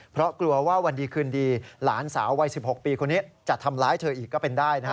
เพราะกลัวว่าวันดีคืนดีหลานสาววัย๑๖ปีคนนี้จะทำร้ายเธออีกก็เป็นได้นะฮะ